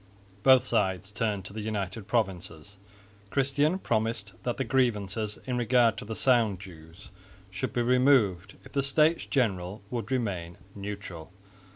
Both sides turned to the United Provinces. Christian promised that the grievances in regard to the Sound dues should be removed if the States General would remain neutral.